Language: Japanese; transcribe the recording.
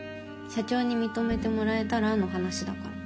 社長に認めてもらえたらの話だから。